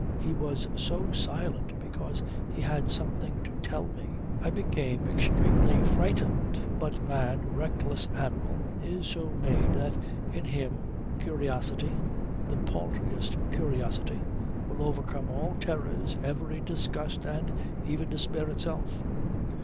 He was so silent because he had something to tell me. I became extremely frightened. But man, reckless animal, is so made that in him curiosity, the paltriest curiosity, will overcome all terrors, every disgust, and even despair itself.